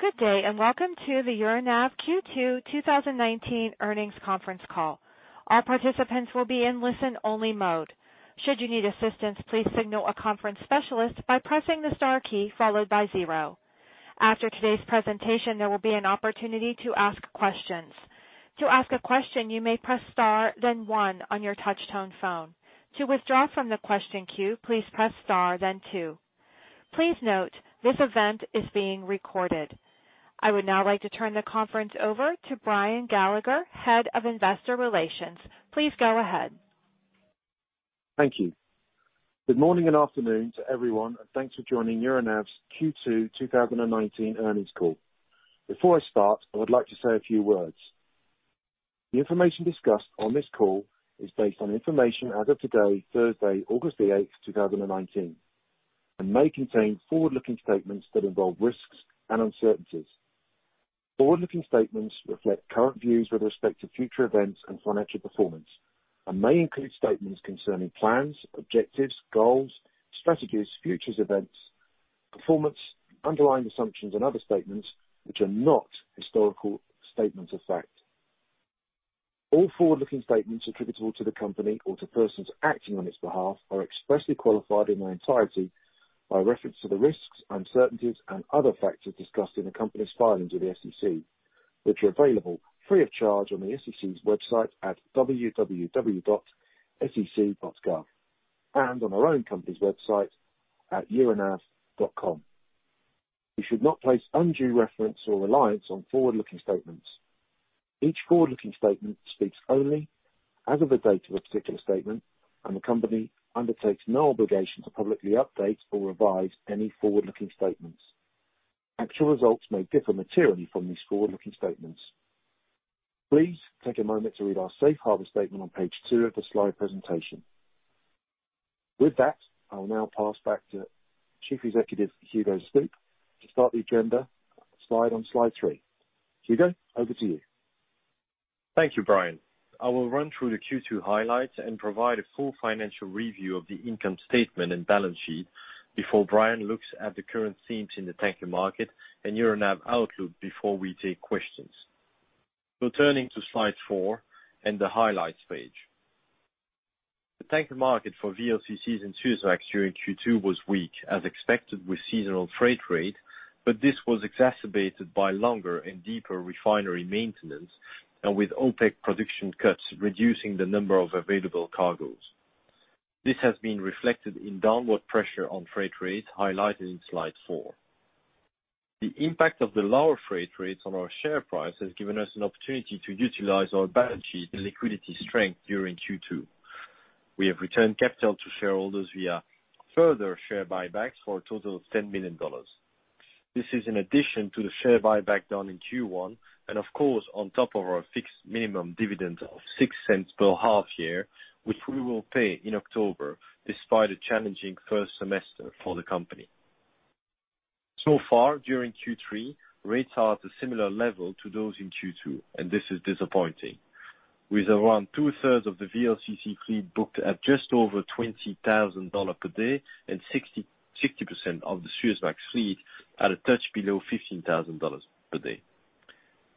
Good day. Welcome to the Euronav Q2 2019 earnings conference call. All participants will be in listen-only mode. Should you need assistance, please signal a conference specialist by pressing the star key followed by zero. After today's presentation, there will be an opportunity to ask questions. To ask a question, you may press star then one on your touch-tone phone. To withdraw from the question queue, please press star then two. Please note, this event is being recorded. I would now like to turn the conference over to Brian Gallagher, Head of Investor Relations. Please go ahead. Thank you. Good morning and afternoon to everyone, and thanks for joining Euronav's Q2 2019 earnings call. Before I start, I would like to say a few words. The information discussed on this call is based on information as of today, Thursday, August the 8th, 2019, and may contain forward-looking statements that involve risks and uncertainties. Forward-looking statements reflect current views with respect to future events and financial performance and may include statements concerning plans, objectives, goals, strategies, futures events, performance, underlying assumptions, and other statements which are not historical statements of fact. All forward-looking statements attributable to the company or to persons acting on its behalf are expressly qualified in their entirety by reference to the risks, uncertainties, and other factors discussed in the company's filings with the SEC, which are available free of charge on the SEC's website at www.sec.gov and on our own company's website at euronav.com. You should not place undue reference or reliance on forward-looking statements. Each forward-looking statement speaks only as of the date of a particular statement, and the company undertakes no obligation to publicly update or revise any forward-looking statements. Actual results may differ materially from these forward-looking statements. Please take a moment to read our safe harbor statement on page two of the slide presentation. With that, I will now pass back to Chief Executive, Hugo De Stoop, to start the agenda slide on slide three. Hugo, over to you. Thank you, Brian. I will run through the Q2 highlights and provide a full financial review of the income statement and balance sheet before Brian looks at the current themes in the tanker market and Euronav outlook before we take questions. Turning to slide four and the highlights page. The tanker market for VLCCs and Suezmax during Q2 was weak, as expected with seasonal freight rate, but this was exacerbated by longer and deeper refinery maintenance and with OPEC production cuts reducing the number of available cargoes. This has been reflected in downward pressure on freight rates highlighted in slide four. The impact of the lower freight rates on our share price has given us an opportunity to utilize our balance sheet and liquidity strength during Q2. We have returned capital to shareholders via further share buybacks for a total of $10 million. This is in addition to the share buyback done in Q1 and of course, on top of our fixed minimum dividend of $0.06 per half year, which we will pay in October, despite a challenging first semester for the company. So far during Q3, rates are at a similar level to those in Q2, and this is disappointing. With around two-thirds of the VLCC fleet booked at just over $20,000 per day and 60% of the Suezmax fleet at a touch below $15,000 per day.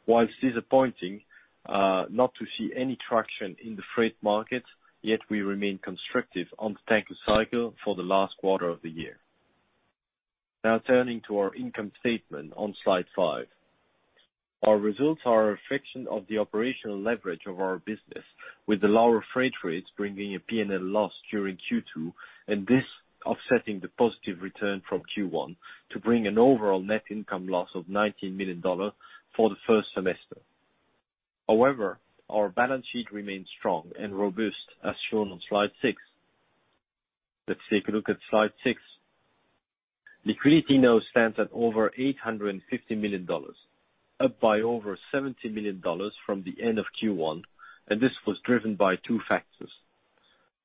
While it's disappointing not to see any traction in the freight market, yet we remain constructive on the tanker cycle for the last quarter of the year. Now turning to our income statement on slide five. Our results are a reflection of the operational leverage of our business, with the lower freight rates bringing a P&L loss during Q2, and this offsetting the positive return from Q1 to bring an overall net income loss of $19 million for the first semester. Our balance sheet remains strong and robust, as shown on slide six. Let's take a look at slide six. Liquidity now stands at over $850 million, up by over $70 million from the end of Q1, and this was driven by two factors.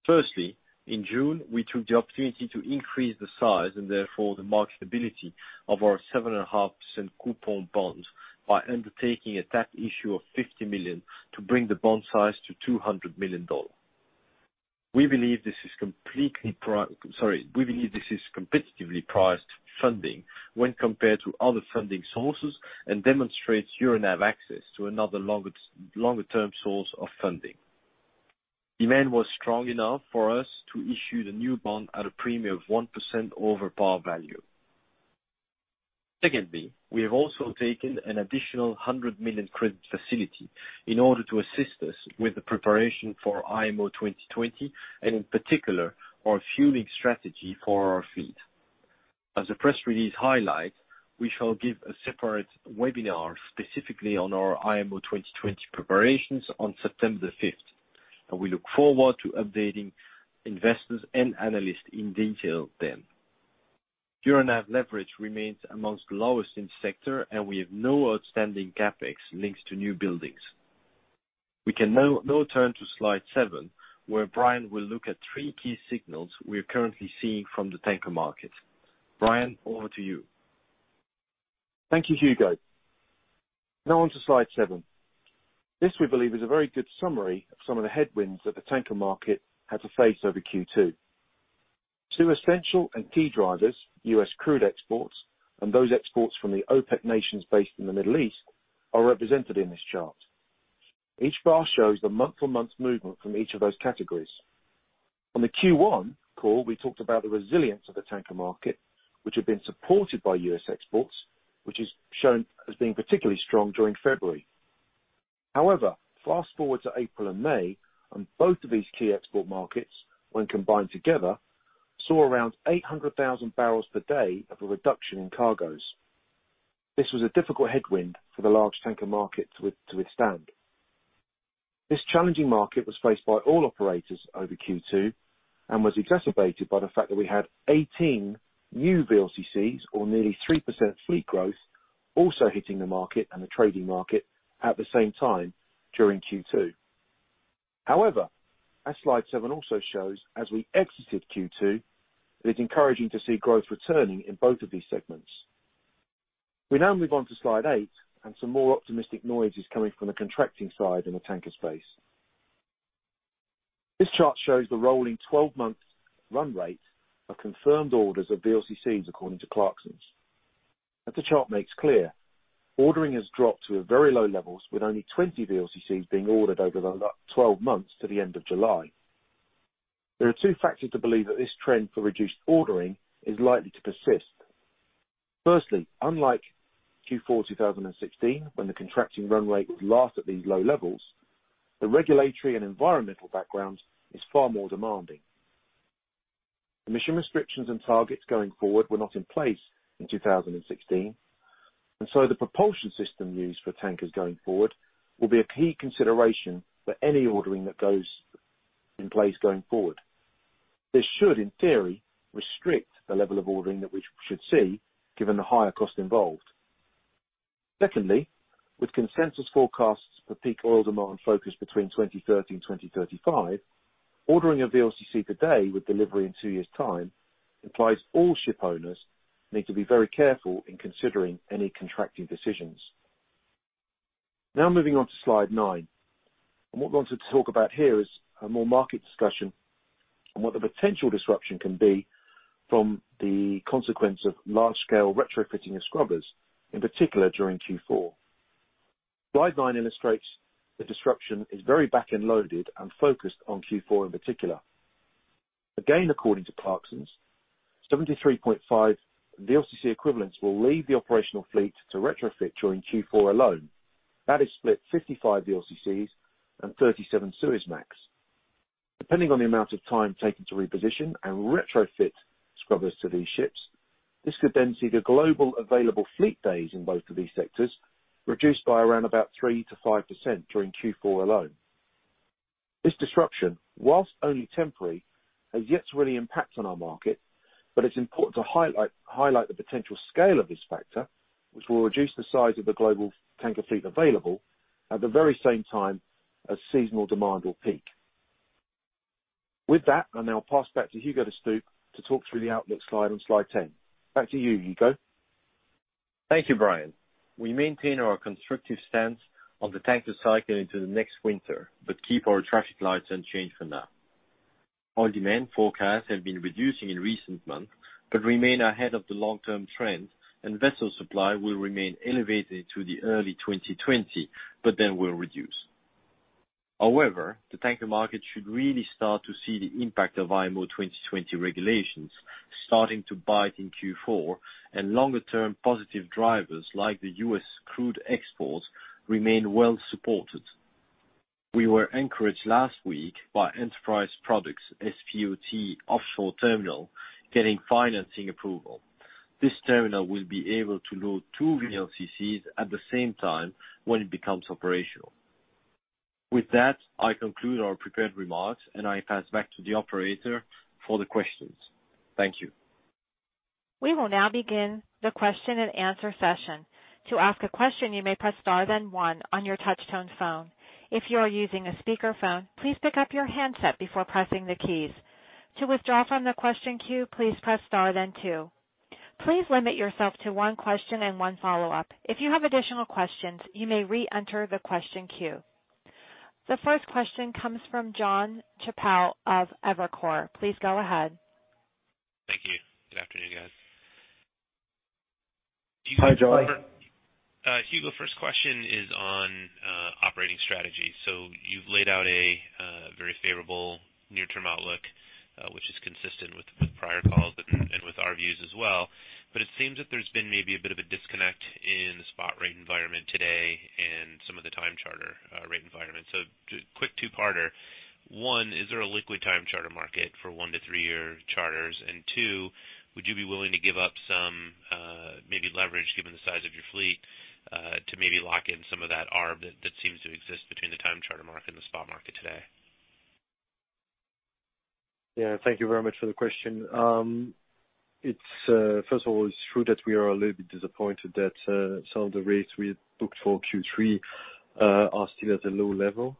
Firstly, in June, we took the opportunity to increase the size and therefore the marketability of our 7.5% coupon bonds by undertaking a tap issue of 50 million to bring the bond size to $200 million. We believe this is competitively priced funding when compared to other funding sources and demonstrates Euronav access to another longer-term source of funding. Demand was strong enough for us to issue the new bond at a premium of 1% over par value. Secondly, we have also taken an additional $100 million credit facility in order to assist us with the preparation for IMO 2020 and, in particular, our fueling strategy for our fleet. As the press release highlights, we shall give a separate webinar specifically on our IMO 2020 preparations on September 5th, and we look forward to updating investors and analysts in detail then. Euronav leverage remains amongst the lowest in the sector, and we have no outstanding CapEx linked to new buildings. We can now turn to slide seven, where Brian will look at three key signals we are currently seeing from the tanker market. Brian, over to you. Thank you, Hugo. On to slide seven. This, we believe, is a very good summary of some of the headwinds that the tanker market had to face over Q2. Two essential and key drivers, U.S. crude exports, and those exports from the OPEC nations based in the Middle East, are represented in this chart. Each bar shows the month-to-month movement from each of those categories. On the Q1 call, we talked about the resilience of the tanker market, which had been supported by U.S. exports, which is shown as being particularly strong during February. Fast-forward to April and May, and both of these key export markets, when combined together, saw around 800,000 barrels per day of a reduction in cargoes. This was a difficult headwind for the large tanker market to withstand. This challenging market was faced by all operators over Q2 and was exacerbated by the fact that we had 18 new VLCCs, or nearly 3% fleet growth, also hitting the market and the trading market at the same time during Q2. As slide seven also shows, as we exited Q2, it is encouraging to see growth returning in both of these segments. We now move on to slide eight, and some more optimistic noises coming from the contracting side in the tanker space. This chart shows the rolling 12-month run rate of confirmed orders of VLCCs according to Clarksons. As the chart makes clear, ordering has dropped to very low levels, with only 20 VLCCs being ordered over the last 12 months to the end of July. There are two factors to believe that this trend for reduced ordering is likely to persist. Firstly, unlike Q4 2016, when the contracting run rate was last at these low levels, the regulatory and environmental background is far more demanding. Emission restrictions and targets going forward were not in place in 2016, the propulsion system used for tankers going forward will be a key consideration for any ordering that goes in place going forward. This should, in theory, restrict the level of ordering that we should see, given the higher cost involved. Secondly, with consensus forecasts for peak oil demand focused between 2030 and 2035, ordering a VLCC today with delivery in two years' time implies all ship owners need to be very careful in considering any contracting decisions. Moving on to slide nine, what we wanted to talk about here is a more market discussion on what the potential disruption can be from the consequence of large-scale retrofitting of scrubbers, in particular, during Q4. Slide nine illustrates the disruption is very back-end loaded and focused on Q4 in particular. According to Clarksons, 73.5 VLCC equivalents will leave the operational fleet to retrofit during Q4 alone. That is split 55 VLCCs and 37 Suezmax. Depending on the amount of time taken to reposition and retrofit scrubbers to these ships, this could see the global available fleet days in both of these sectors reduced by around about 3%-5% during Q4 alone. This disruption, whilst only temporary, has yet to really impact on our market, but it's important to highlight the potential scale of this factor, which will reduce the size of the global tanker fleet available at the very same time as seasonal demand will peak. With that, I now pass back to Hugo De Stoop to talk through the outlook slide on slide 10. Back to you, Hugo. Thank you, Brian. We maintain our constructive stance on the tanker cycle into the next winter but keep our traffic lights unchanged for now. Oil demand forecasts have been reducing in recent months but remain ahead of the long-term trend, and vessel supply will remain elevated through to early 2020, but then will reduce. However, the tanker market should really start to see the impact of IMO 2020 regulations starting to bite in Q4, and longer-term positive drivers like the U.S. crude exports remain well supported. We were encouraged last week by Enterprise Products SPOT offshore terminal getting financing approval. This terminal will be able to load two VLCCs at the same time when it becomes operational. With that, I conclude our prepared remarks, and I pass back to the operator for the questions. Thank you. We will now begin the question-and-answer session. To ask a question, you may press star then one on your touch-tone phone. If you are using a speakerphone, please pick up your handset before pressing the keys. To withdraw from the question queue, please press star then two. Please limit yourself to one question and one follow-up. If you have additional questions, you may re-enter the question queue. The first question comes from Jon Chappell of Evercore. Please go ahead. Thank you. Good afternoon, guys. Hi, Jon. Hugo, first question is on operating strategy. You've laid out a very favorable near-term outlook, which is consistent with prior calls and with our views as well. It seems that there's been maybe a bit of a disconnect in the spot rate environment today and some of the time charter rate environment. Quick two-parter. One, is there a liquid time charter market for one to three-year charters? Two, would you be willing to give up some, maybe leverage, given the size of your fleet, to maybe lock in some of that arb that seems to exist between the time charter market and the spot market today? Yeah. Thank you very much for the question. First of all, it's true that we are a little bit disappointed that some of the rates we had booked for Q3 are still at a low level.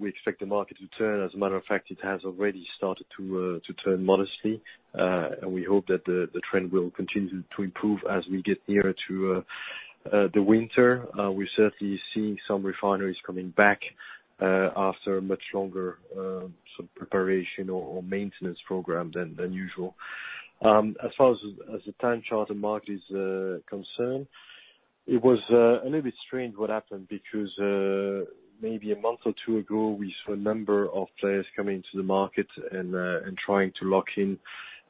We expect the market to turn. As a matter of fact, it has already started to turn modestly, and we hope that the trend will continue to improve as we get nearer to the winter. We certainly see some refineries coming back after much longer preparation or maintenance program than usual. As far as the time charter market is concerned, it was a little bit strange what happened because maybe a month or two ago, we saw a number of players coming into the market and trying to lock in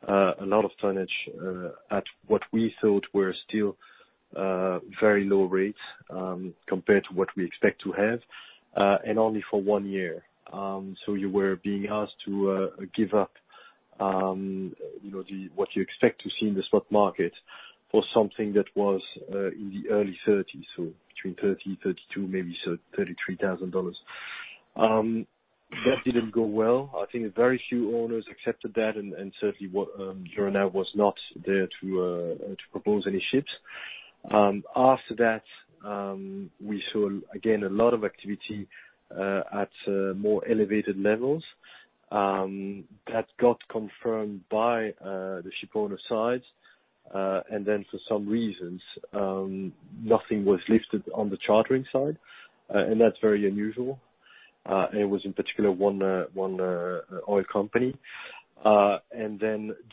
a lot of tonnage at what we thought were still very low rates, compared to what we expect to have, and only for one year. You were being asked to give up what you expect to see in the stock market for something that was in the early 30s, between $30,000, $32,000, maybe $33,000. That didn't go well. I think very few owners accepted that, and certainly Euronav was not there to propose any ships. After that, we saw, again, a lot of activity at more elevated levels. That got confirmed by the ship owner side, and then for some reasons, nothing was lifted on the chartering side, and that's very unusual. It was in particular one oil company.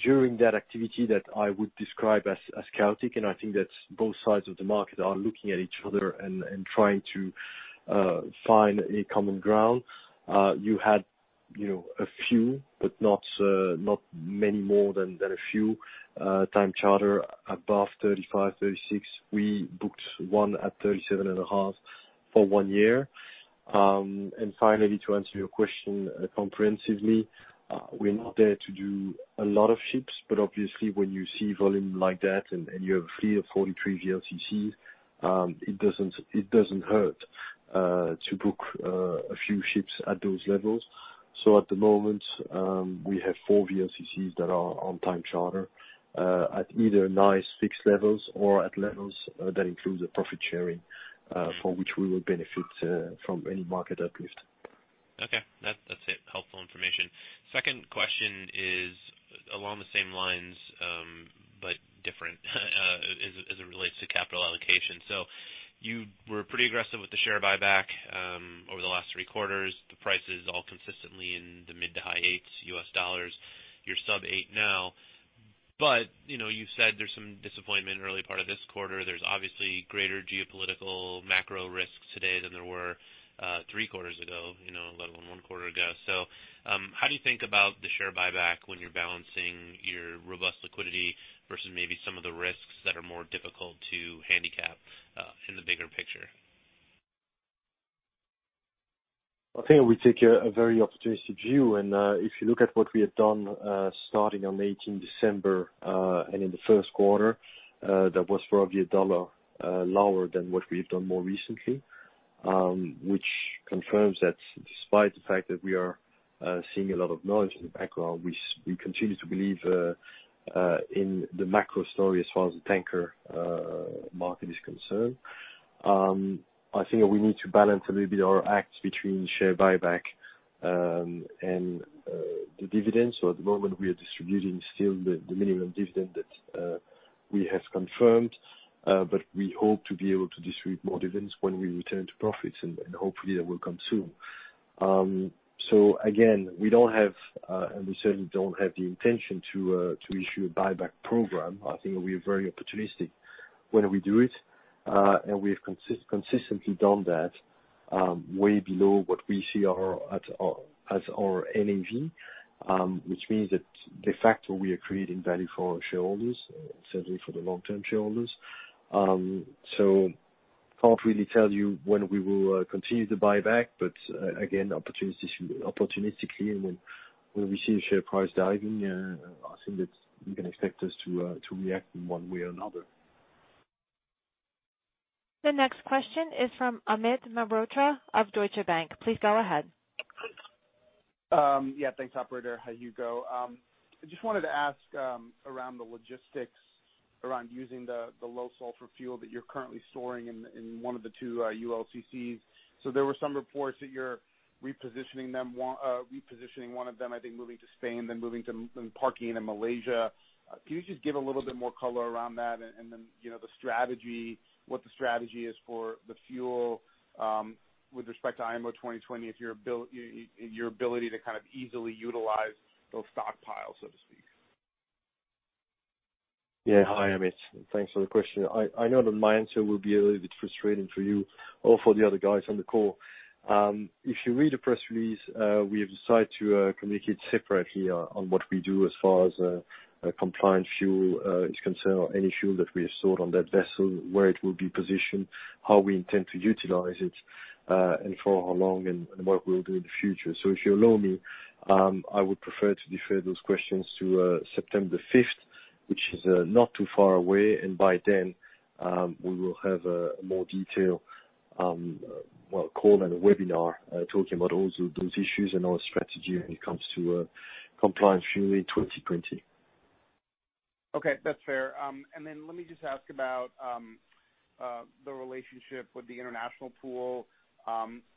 During that activity that I would describe as chaotic, and I think that both sides of the market are looking at each other and trying to find a common ground. You had a few, but not many more than a few, time charter above 35, 36. We booked one at $37.5 for one year. Finally, to answer your question comprehensively, we're not there to do a lot of ships, but obviously, when you see volume like that, and you have three or 43 VLCCs, it doesn't hurt to book a few ships at those levels. At the moment, we have four VLCCs that are on time charter at either nice fixed levels or at levels that includes a profit sharing, for which we will benefit from any market uplift. Okay. That's it. Helpful information. Second question is along the same lines, different as it relates to capital allocation. You were pretty aggressive with the share buyback over the last three quarters. The price is all consistently in the mid to high $8s. You're sub $8 now. You've said there's some disappointment early part of this quarter. There's obviously greater geopolitical macro risks today than there were three quarters ago, let alone one quarter ago. How do you think about the share buyback when you're balancing your robust liquidity versus maybe some of the risks that are more difficult to handicap in the bigger picture? I think we take a very opportunistic view, and if you look at what we have done, starting on 18 December, and in the first quarter, that was probably $1 lower than what we have done more recently, which confirms that despite the fact that we are seeing a lot of noise in the background, we continue to believe in the macro story as far as the tanker market is concerned. I think that we need to balance a little bit our acts between share buyback, and the dividends. At the moment, we are distributing still the minimum dividend that we have confirmed. We hope to be able to distribute more dividends when we return to profits, and hopefully that will come soon. Again, we certainly don't have the intention to issue a buyback program. I think we are very opportunistic when we do it, and we have consistently done that way below what we see as our NAV, which means that de facto, we are creating value for our shareholders, certainly for the long-term shareholders. Can't really tell you when we will continue the buyback, but again, opportunistically, and when we see a share price diving, I think that you can expect us to react in one way or another. The next question is from Amit Mehrotra of Deutsche Bank. Please go ahead. Yeah, thanks, operator. Hi, Hugo. I just wanted to ask around the logistics around using the low sulfur fuel that you're currently storing in one of the two ULCCs. There were some reports that you're repositioning one of them, I think moving to Spain, then parking in Malaysia. Can you just give a little bit more color around that and then what the strategy is for the fuel, with respect to IMO 2020, your ability to kind of easily utilize those stockpiles, so to speak? Yeah. Hi, Amit. Thanks for the question. I know that my answer will be a little bit frustrating for you or for the other guys on the call. If you read the press release, we have decided to communicate separately on what we do as far as compliant fuel is concerned, or any fuel that we have stored on that vessel, where it will be positioned, how we intend to utilize it, and for how long, and what we'll do in the future. If you allow me, I would prefer to defer those questions to September 5th, which is not too far away, and by then, we will have a more detailed call and a webinar talking about all those issues and our strategy when it comes to compliance generally 2020. Okay, that's fair. Let me just ask about the relationship with the international pool.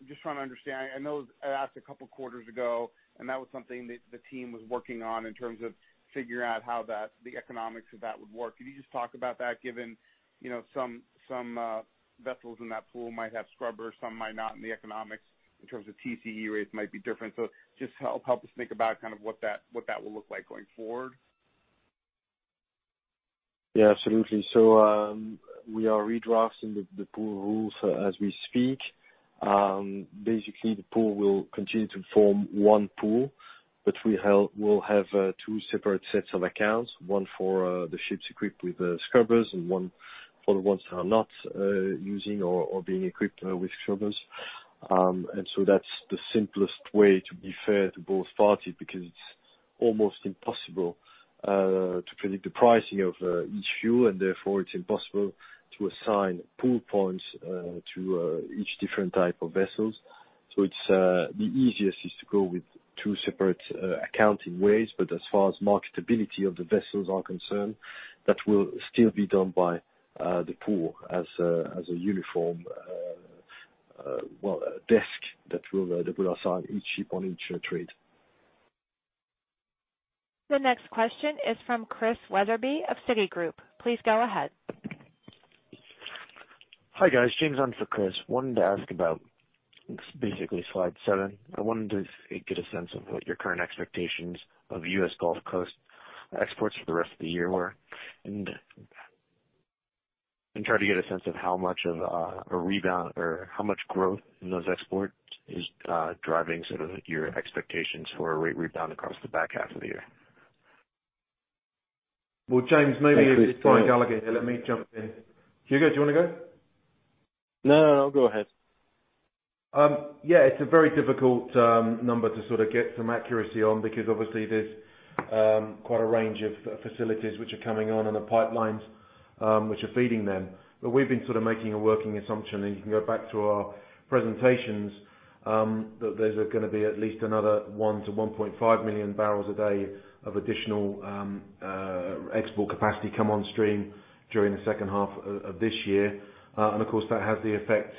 Just trying to understand. I know I asked a couple quarters ago, and that was something that the team was working on in terms of figuring out how the economics of that would work. Could you just talk about that, given some vessels in that pool might have scrubbers, some might not, and the economics in terms of TCE rates might be different. Just help us think about what that will look like going forward. Yeah, absolutely. We are redrafting the pool rules as we speak. Basically, the pool will continue to form one pool, but we'll have two separate sets of accounts, one for the ships equipped with scrubbers and one for the ones that are not using or being equipped with scrubbers. That's the simplest way to be fair to both parties, because it's almost impossible to predict the pricing of each fuel, and therefore it's impossible to assign pool points to each different type of vessels. The easiest is to go with two separate accounting ways, but as far as marketability of the vessels are concerned, that will still be done by the pool as a uniform desk that will assign each ship on each trade. The next question is from Christian Wetherbee of Citigroup. Please go ahead. Hi, guys. James on for Chris. Wanted to ask about, basically slide seven. I wanted to get a sense of what your current expectations of U.S. Gulf Coast exports for the rest of the year were, and try to get a sense of how much of a rebound or how much growth in those exports is driving your expectations for a rate rebound across the back half of the year. Well, James, maybe it's Brian Gallagher. Let me jump in. Hugo, do you want to go? No, no. Go ahead. Yeah. It's a very difficult number to get some accuracy on because obviously there's quite a range of facilities which are coming on and the pipelines which are feeding them. We've been making a working assumption, and you can go back to our presentations, that there's going to be at least another 1 to 1.5 million barrels a day of additional export capacity come on stream during the second half of this year. Of course, that has the effect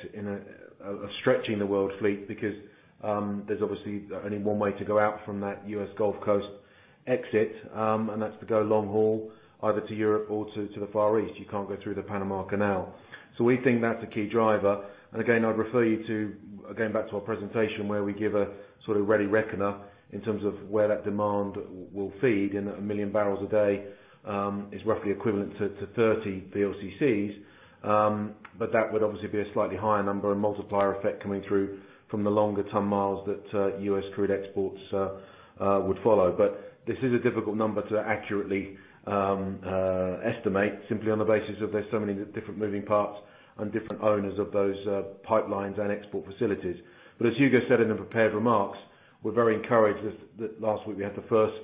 of stretching the world fleet because there's obviously only one way to go out from that U.S. Gulf Coast exit, and that's to go long haul either to Europe or to the Far East. You can't go through the Panama Canal. We think that's a key driver. Again, I'd refer you to, again, back to our presentation, where we give a ready reckoner in terms of where that demand will feed in. 1 million barrels a day is roughly equivalent to 30 VLCCs. That would obviously be a slightly higher number and multiplier effect coming through from the longer ton-miles that U.S. crude exports would follow. This is a difficult number to accurately estimate simply on the basis of there's so many different moving parts and different owners of those pipelines and export facilities. As Hugo said in the prepared remarks, we're very encouraged that last week we had the first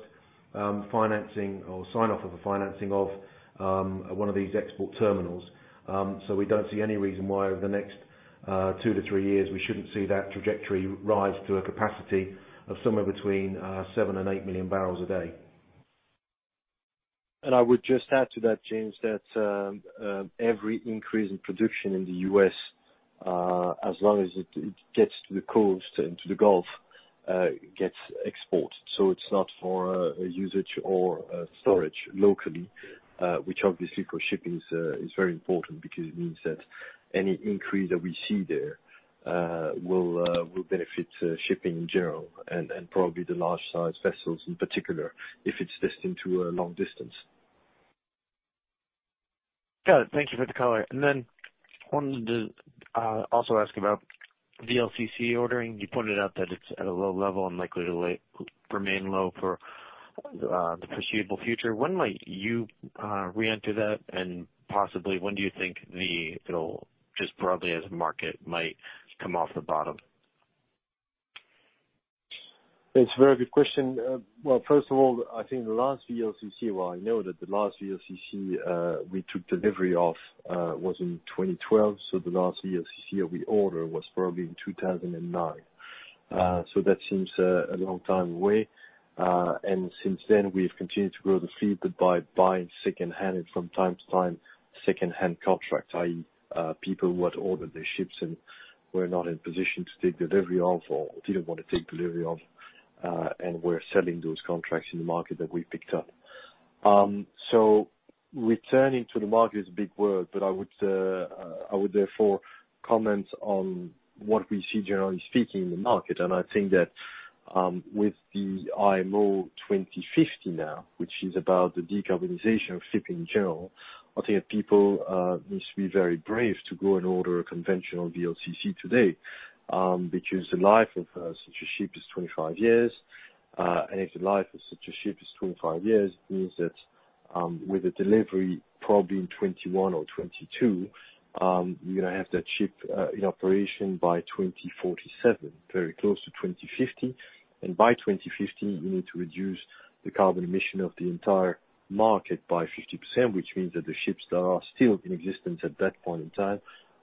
financing or sign-off of a financing of one of these export terminals. We don't see any reason why over the next two to three years we shouldn't see that trajectory rise to a capacity of somewhere between seven and eight million barrels a day. I would just add to that, James, that every increase in production in the U.S., as long as it gets to the coast and to the Gulf, gets exported. It's not for usage or storage locally, which obviously for shipping is very important because it means that any increase that we see there will benefit shipping in general and probably the large size vessels in particular, if it's destined to a long distance. Got it. Thank you for the color. Wanted to also ask about VLCC ordering. You pointed out that it's at a low level and likely to remain low for the foreseeable future. When might you reenter that, and possibly when do you think it'll, just broadly as a market, might come off the bottom? It's a very good question. Well, first of all, I think the last VLCC, well, I know that the last VLCC we took delivery of was in 2012. The last VLCC we ordered was probably in 2009. That seems a long time away. Since then, we've continued to grow the fleet by buying secondhand and from time to time secondhand contracts, i.e., people who had ordered their ships and were not in position to take delivery of or didn't want to take delivery of, and were selling those contracts in the market that we picked up. Returning to the market is a big word, but I would therefore comment on what we see generally speaking in the market. I think that with the IMO 2050 now, which is about the decarbonization of shipping in general, I think that people need to be very brave to go and order a conventional VLCC today. The life of such a ship is 25 years. If the life of such a ship is 25 years, it means that with a delivery probably in 2021 or 2022, you're going to have that ship in operation by 2047, very close to 2050. By 2050 you need to reduce the carbon emission of the entire market by 50%, which means that the ships that are still in existence at that point in time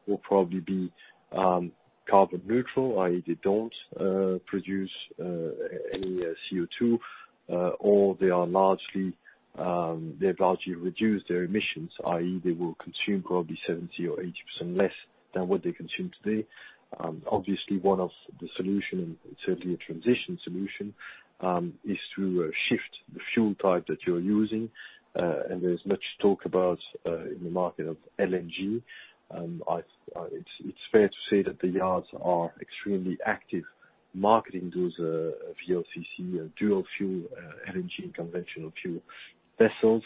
will probably be carbon neutral, i.e., they don't produce any CO2. Or they have largely reduced their emissions, i.e., they will consume probably 70% or 80% less than what they consume today. Obviously, one of the solutions, certainly a transition solution, is to shift the fuel type that you are using. There is much talk about, in the market, of LNG. It's fair to say that the yards are extremely active marketing those VLCC, dual-fuel LNG, and conventional fuel vessels.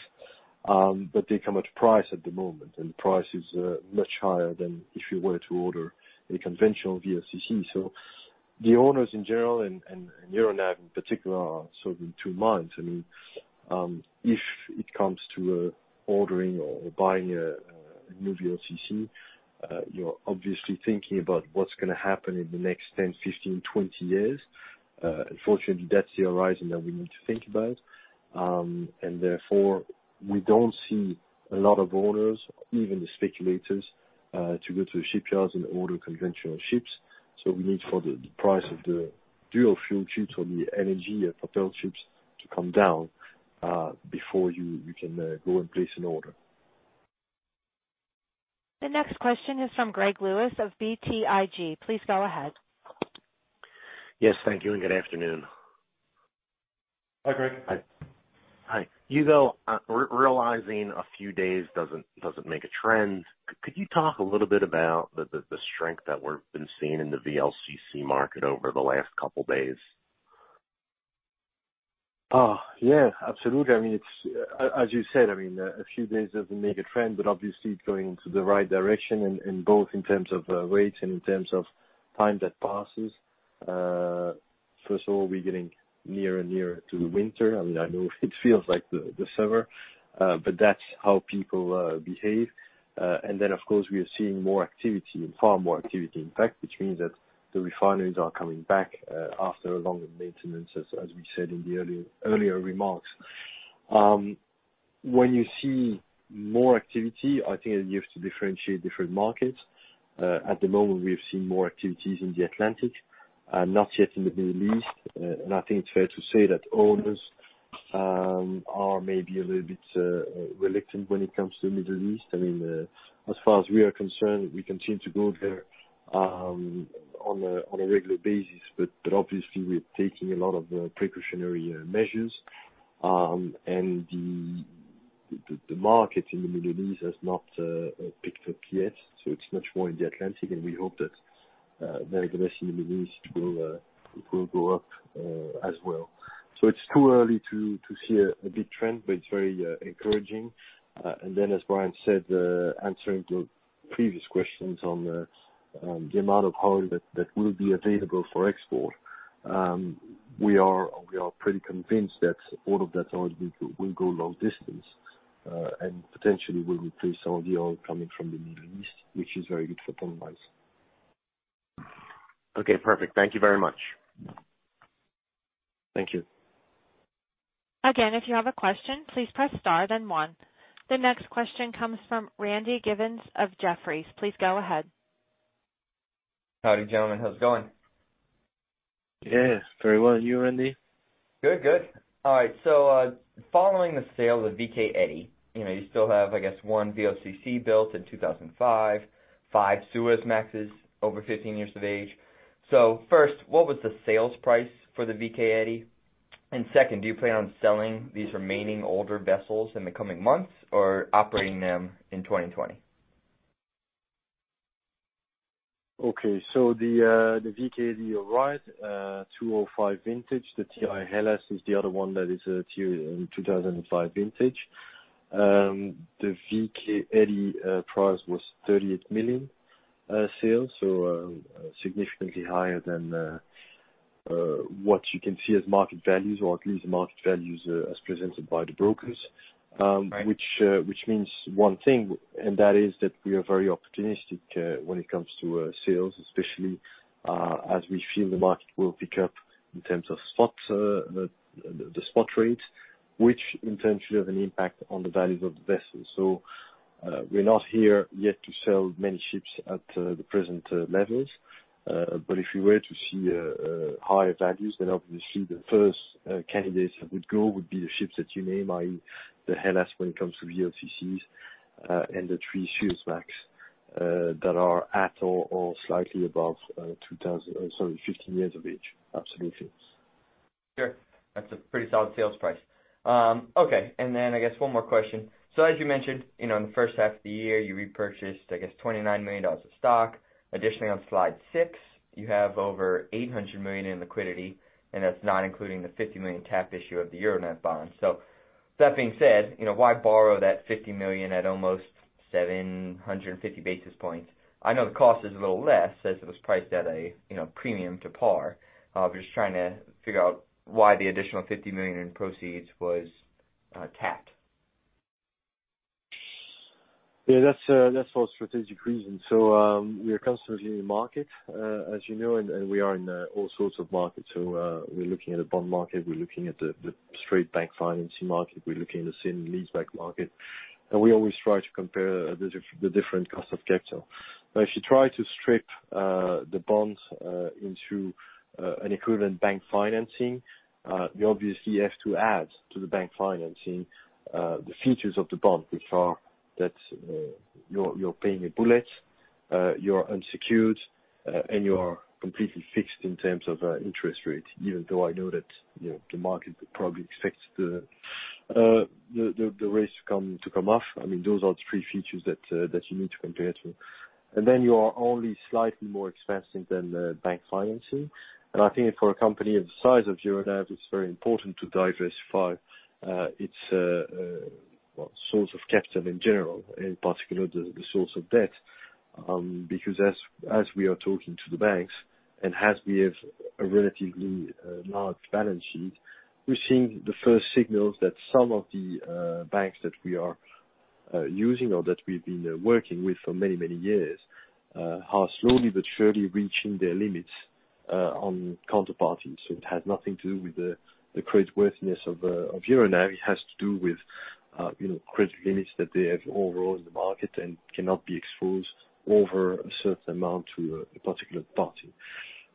They come at a price at the moment, and the price is much higher than if you were to order a conventional VLCC. The owners in general, and Euronav in particular, are certainly two minds. If it comes to ordering or buying a new VLCC, you're obviously thinking about what's going to happen in the next 10, 15, 20 years. Unfortunately, that's the horizon that we need to think about. Therefore, we don't see a lot of owners, even the speculators, to go to shipyards and order conventional ships. We need for the price of the dual-fuel ships or the LNG-propelled ships to come down before you can go and place an order. The next question is from Gregory Lewis of BTIG. Please go ahead. Yes. Thank you, and good afternoon. Hi, Greg. Hi. Hugo, realizing a few days doesn't make a trend, could you talk a little bit about the strength that we've been seeing in the VLCC market over the last couple of days? Yeah, absolutely. As you said, a few days doesn't make a trend, obviously it's going into the right direction, both in terms of rates and in terms of time that passes. First of all, we're getting nearer and nearer to the winter. I know it feels like the summer, but that's how people behave. Then, of course, we are seeing more activity, far more activity, in fact, which means that the refineries are coming back after a longer maintenance, as we said in the earlier remarks. When you see more activity, I think it used to differentiate different markets. At the moment, we have seen more activities in the Atlantic, not yet in the Middle East. I think it's fair to say that owners are maybe a little bit reluctant when it comes to the Middle East. As far as we are concerned, we continue to go there on a regular basis. Obviously, we're taking a lot of precautionary measures, and the market in the Middle East has not picked up yet, so it's much more in the Atlantic, and we hope that the rest of the Middle East will go up as well. It's too early to see a big trend, but it's very encouraging. As Brian said, answering your previous questions on the amount of oil that will be available for export, we are pretty convinced that all of that oil will go long distance, and potentially will replace some of the oil coming from the Middle East, which is very good for ton-miles. Okay, perfect. Thank you very much. Thank you. If you have a question, please press star then one. The next question comes from Randy Giveans of Jefferies. Please go ahead. Howdy, gentlemen. How's it going? Yes, very well. You, Randy? Good. All right. Following the sale of the VK Eddie, you still have, I guess, one VLCC built in 2005, five Suezmaxes over 15 years of age. First, what was the sales price for the VK Eddie? Second, do you plan on selling these remaining older vessels in the coming months or operating them in 2020? Okay. The VK, you're right, 2005 vintage. The TI Hellas is the other one that is a 2005 vintage. The VK Eddie price was $38 million sales, significantly higher than what you can see as market values or at least the market values as presented by the brokers. Right. Means one thing, and that is that we are very opportunistic when it comes to sales, especially as we feel the market will pick up in terms of the spot rate, which in turn should have an impact on the values of the vessels. We're not here yet to sell many ships at the present levels. If we were to see higher values, obviously the first candidates that would go would be the ships that you name, i.e., the Hellas when it comes to VLCCs, and the three Suezmax that are at or slightly above 15 years of age. Absolutely. Sure. That's a pretty solid sales price. Okay. I guess one more question. As you mentioned, in the first half of the year, you repurchased, I guess, $29 million of stock. Additionally, on slide six, you have over $800 million in liquidity, and that's not including the $50 million tapped issue of the Euronav bonds. That being said, why borrow that $50 million at almost 750 basis points? I know the cost is a little less, as it was priced at a premium to par. I'm just trying to figure out why the additional $50 million in proceeds was tapped. Yeah, that's for strategic reasons. We are constantly in the market, as you know, and we are in all sorts of markets. We're looking at the bond market, we're looking at the straight bank financing market, we're looking at the sale-and-leaseback market. We always try to compare the different cost of capital. If you try to strip the bond into an equivalent bank financing, we obviously have to add to the bank financing the features of the bond, which are that you're paying a bullet, you're unsecured, and you are completely fixed in terms of interest rate, even though I know that the market probably expects the rates to come off. Those are the three features that you need to compare to. Then you are only slightly more expensive than bank financing. I think for a company of the size of Euronav, it's very important to diversify its source of capital in general, in particular, the source of debt. As we are talking to the banks, and as we have a relatively large balance sheet, we're seeing the first signals that some of the banks that we are using or that we've been working with for many, many years are slowly but surely reaching their limits on counterparties. It has nothing to do with the creditworthiness of Euronav, it has to do with credit limits that they have overall in the market and cannot be exposed over a certain amount to a particular party.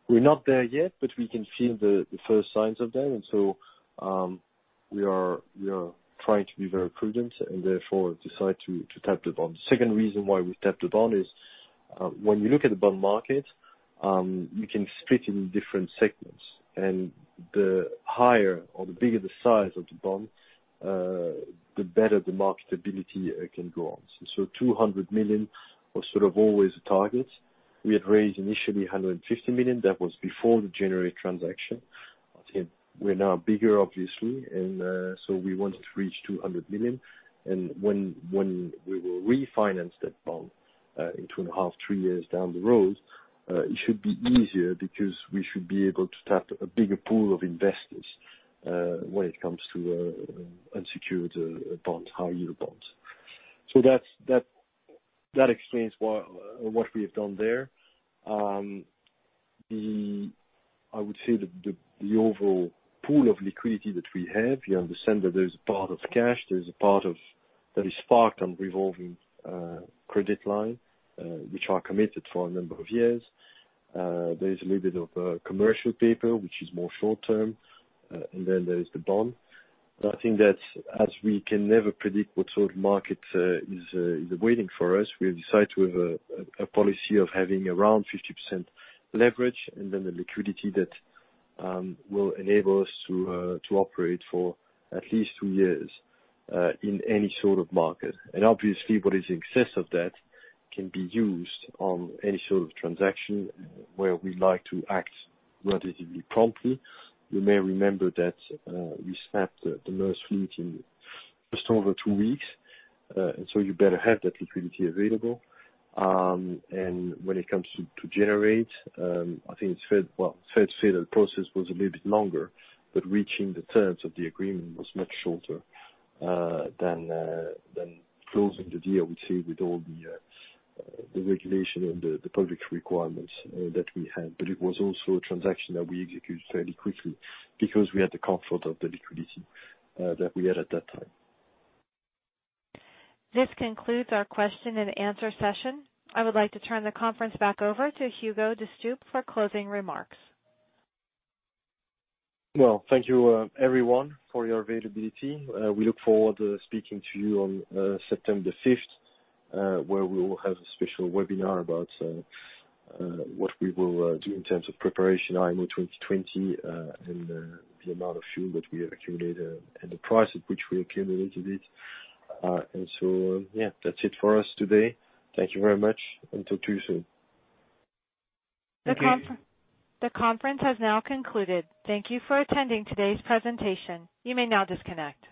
We're not there yet, but we can feel the first signs of that. We are trying to be very prudent and therefore decide to tap the bond. The second reason why we tapped the bond is, when you look at the bond market, you can split it in different segments. The higher or the bigger the size of the bond, the better the marketability it can go on. $200 million was sort of always a target. We had raised initially $150 million. That was before the January transaction. I think we're now bigger, obviously. We wanted to reach $200 million. When we will refinance that bond in two and a half, three years down the road, it should be easier because we should be able to tap a bigger pool of investors, when it comes to unsecured bond, high-yield bonds. That explains what we have done there. I would say that the overall pool of liquidity that we have, you understand that there's a part of cash, there's a part of that is parked on revolving credit line, which are committed for a number of years. There is a little bit of commercial paper, which is more short-term, then there is the bond. I think that as we can never predict what sort of market is awaiting for us, we have decided to have a policy of having around 50% leverage, then the liquidity that will enable us to operate for at least two years, in any sort of market. Obviously, what is in excess of that can be used on any sort of transaction where we like to act relatively promptly. You may remember that we snapped the Maersk fleet in just over two weeks. You better have that liquidity available. When it comes to Gener8, I think it's fair to say that process was a little bit longer, but reaching the terms of the agreement was much shorter than closing the deal, I would say, with all the regulation and the public requirements that we had. It was also a transaction that we executed fairly quickly because we had the comfort of the liquidity that we had at that time. This concludes our question and answer session. I would like to turn the conference back over to Hugo De Stoop for closing remarks. Well, thank you everyone for your availability. We look forward to speaking to you on September the fifth, where we will have a special webinar about what we will do in terms of preparation IMO 2020, and the amount of fuel that we have accumulated and the price at which we accumulated it. Yeah, that's it for us today. Thank you very much, and talk to you soon. The conference has now concluded. Thank you for attending today's presentation. You may now disconnect.